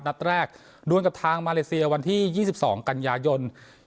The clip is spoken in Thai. นัดแรกดวนกับทางมาเลเซียวันที่๒๒กันยายน